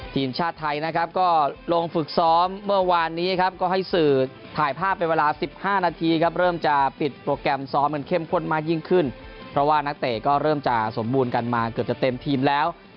ทีมชาติไทยนะครับก็ลงฝึกซ้อมเมื่อวานนี้ครับก็ให้สื่อถ่ายภาพเป็นเวลา๑๕นาทีครับเริ่มจะปิดโปรแกรมซ้อมกันเข้มข้นมากยิ่งขึ้นเพราะว่านักเตะก็เริ่มจะสมบูรณ์กันมาเกือบจะเต็มทีมแล้ว